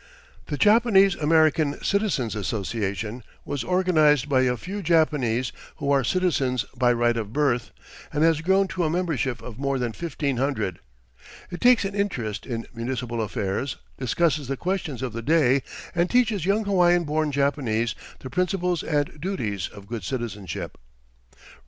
The Japanese American Citizens' Association was organized by a few Japanese who are citizens by right of birth, and has grown to a membership of more than fifteen hundred. It takes an interest in municipal affairs, discusses the questions of the day, and teaches young Hawaiian born Japanese the principles and duties of good citizenship. Rev.